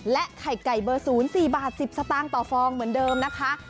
ไข่ไก่เบอร์๐๔บาท๑๐สตางค์ต่อฟองเหมือนเดิมนะคะ